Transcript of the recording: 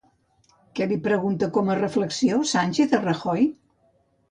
Què li pregunta com a reflexió Sánchez a Rajoy?